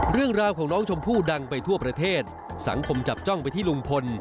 เรื่องราวของน้องชมพู่ดังไปทั่วประเทศสังคมจับจ้องไปที่ลุงพล